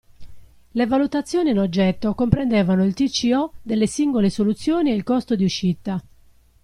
Le valutazioni in oggetto comprendevano il TCO delle singole soluzioni e il costo di uscita.